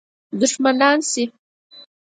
دښمنان شي.